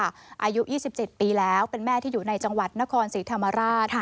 อายุ๒๗ปีแล้วเป็นแม่ที่อยู่ในจังหวัดนครศรีธรรมราช